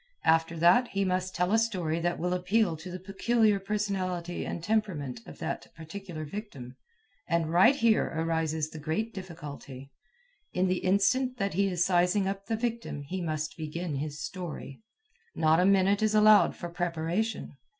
After that, he must tell a story that will appeal to the peculiar personality and temperament of that particular victim. And right here arises the great difficulty: in the instant that he is sizing up the victim he must begin his story. Not a minute is allowed for preparation.